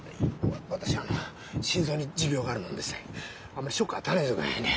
私あの心臓に持病があるもんでしてあんまりショックを与えないで下さいね。